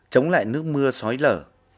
chống lại nước mưa xói lở